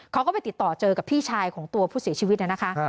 เขาก็ไปติดต่อเจอกับพี่ชายของตัวผู้เสียชีวิตนะคะ